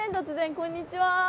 突然こんにちは。